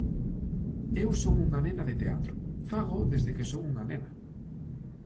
Eu son unha nena de teatro, fágoo desde que son unha nena.